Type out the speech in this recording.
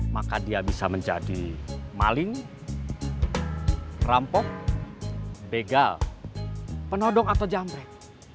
maka dia bisa menjadi maling rampok begal penodong atau jamrek